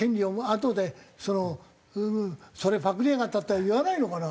あとで「それパクりやがった」って言わないのかな？